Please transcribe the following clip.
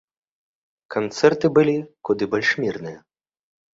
Канцэрты былі куды больш мірныя.